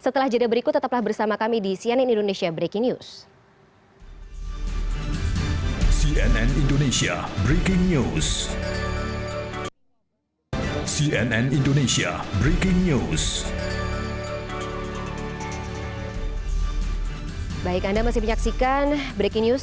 setelah jeda berikut tetaplah bersama kami di cnn indonesia breaking news